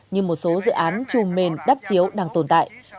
như một số dự án trùm mềm đắp chiếu đang tồn tại